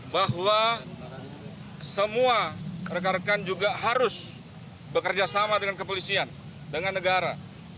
bahwa semua rekan rekan juga harus bekerja sama dengan kepolisian dengan negara